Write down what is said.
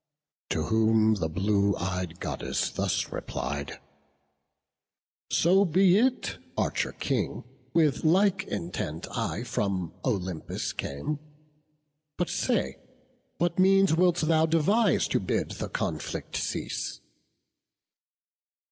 To whom the blue ey'd Goddess thus replied: "So be it, Archer King; with like intent I from Olympus came; but say, what means Wilt thou devise to bid the conflict cease?"